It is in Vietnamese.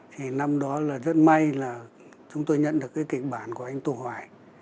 thì năm đó là rất may là chúng tôi nhận được cái kịch bản của anh tô hoài